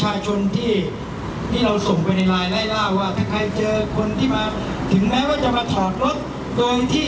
ใช่มั้ยแล้วไงเราได้เสร็จแล้วไง